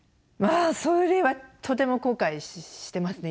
あそれはとても後悔してますね